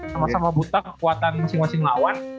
sama sama buta kekuatan masing masing lawan